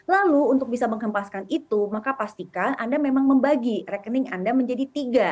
lalu untuk bisa menghempaskan itu maka pastikan anda memang membagi rekening anda menjadi tiga